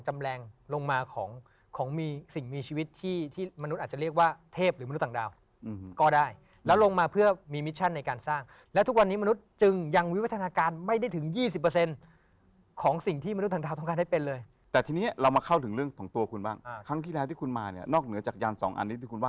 จำแรงลงมาของของมีสิ่งมีชีวิตที่ที่มนุษย์อาจจะเรียกว่าเทพหรือมนุษย์ต่างดาวก็ได้แล้วลงมาเพื่อมีมิชชั่นในการสร้างแล้วทุกวันนี้มนุษย์จึงยังวิวัฒนาการไม่ได้ถึงยี่สิบเปอร์เซ็นต์ของสิ่งที่มนุษย์ต่างดาวต้องการให้เป็นเลยแต่ทีนี้เรามาเข้าถึงเรื่องของตัวคุณบ้างครั้งที่แล้วที่คุณมาเนี่ยนอกเหนือจากยานสองอันนี้ที่คุณว่า